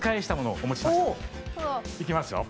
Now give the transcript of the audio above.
いきますよ。